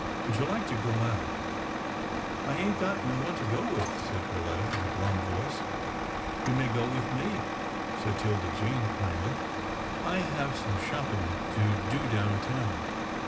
Would you like to go out?" " I ain't got no one to go with," said Perletta in a glum voice. " You may go with me," said 'Tilda Jane, kindly, " I have some shopping to do down town."